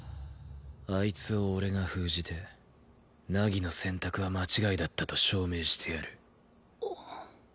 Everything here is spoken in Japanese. あいつを俺が封じて凪の選択は間違いだったと証明してやる。